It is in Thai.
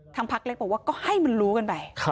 พักเล็กบอกว่าก็ให้มันรู้กันไป